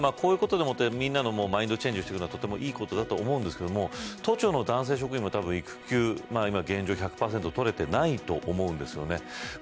ただこういうことでみんなのマインドチェンジをしていくのはいいことだと思うんですけど都庁の男性職員も育休現状１００％取れていないと思うんです。